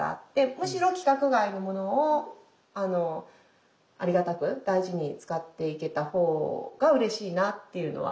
むしろ規格外のものをありがたく大事に使っていけた方がうれしいなっていうのは。